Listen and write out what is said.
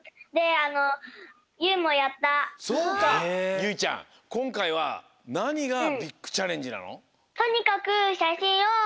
ゆいちゃんこんかいはなにがビッグチャレンジなの？